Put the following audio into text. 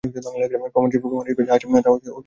প্রমাণ হিসেবে যা আছে তা পর্যাপ্ত নয়!